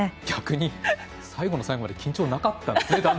逆に最後の最後まで緊張なかったんですね。